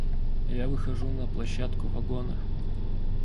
Я выхожу на площадку вагона.